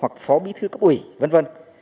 hoặc phó bí thư cấp ủy v v